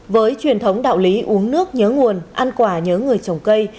với truyền thống đạo lý uống nước nhớ nguồn ăn quả nhớ người trồng cây